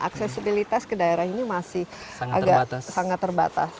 aksesibilitas ke daerah ini masih agak sangat terbatas